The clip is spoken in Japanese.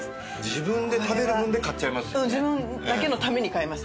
自分で食べる分で買っちゃいますよね。